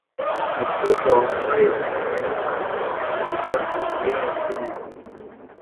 Umukobwa wambaye umweru arimo gukubita umupira wa tennis